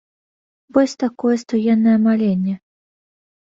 Вось такое стоенае маленне.